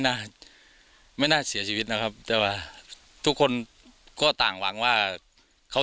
น่าไม่น่าเสียชีวิตนะครับแต่ว่าทุกคนก็ต่างหวังว่าเขา